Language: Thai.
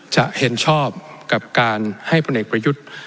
จะเห็นชอบกับการให้พลเอกประยุทธ์